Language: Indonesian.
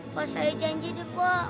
pak saya janji deh pak